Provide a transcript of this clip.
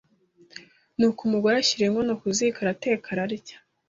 Nuko umugore ashyira inkono ku ziko arateka ararya